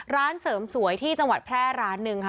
ร้านเสริมสวยที่จังหวัดแพร่ร้านหนึ่งค่ะ